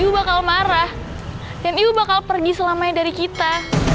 ibu bakal marah dan ibu bakal pergi selamanya dari kita